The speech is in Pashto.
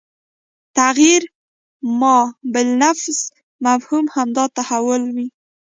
تغیر ما بالانفس مفهوم همدا تحول وي